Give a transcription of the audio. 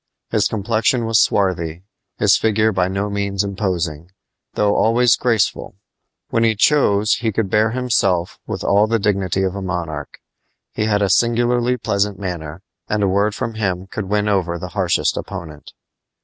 His complexion was swarthy, his figure by no means imposing, though always graceful. When he chose he could bear himself with all the dignity of a monarch. He had a singularly pleasant manner, and a word from him could win over the harshest opponent.